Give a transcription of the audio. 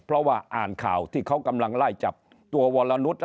เพราะว่าอ่านข่าวที่เขากำลังไล่จับตัววรนุษย์